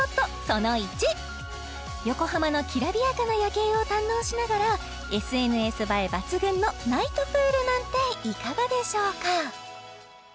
その１横浜のきらびやかな夜景を堪能しながらＳＮＳ映え抜群のナイトプールなんていかがでしょうか？